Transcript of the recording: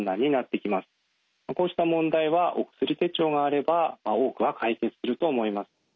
こうした問題はお薬手帳があれば多くは解決すると思います。